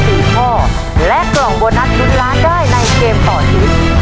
๔พ่อและกล่องโบนัสทุนร้านได้ในเกมต่อทิศ